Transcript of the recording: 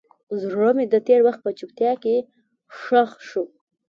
زړه مې د تېر وخت په چوپتیا کې ښخ شو.